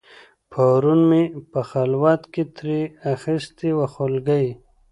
پرون مې په خلوت کې ترې اخیستې وه خولګۍ